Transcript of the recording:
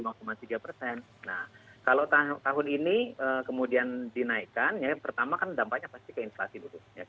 nah kalau tahun ini kemudian dinaikkan yang pertama kan dampaknya pasti ke inflasi dulu